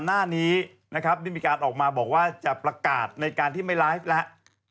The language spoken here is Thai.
หน้านี้นะครับได้มีการออกมาบอกว่าจะประกาศในการที่ไม่ไลฟ์แล้ว